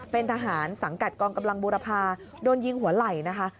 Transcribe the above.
เป็นทหารสังกัดกองกำลังบูรพาโดนยิงหัวไหล่นะคะ